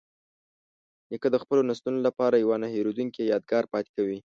نیکه د خپلو نسلونو لپاره یوه نه هیریدونکې یادګار پاتې کوي.